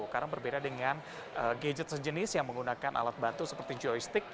karena berbeda dengan gadget sejenis yang menggunakan alat batu seperti joystick